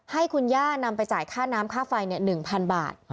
ให้คุณย่านำไปจ่ายค่าน้ำค่าไฟ๑๐๐๐บาท